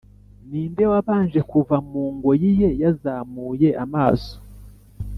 ninde wabanje kuva mu ngoyi ye yazamuye amaso?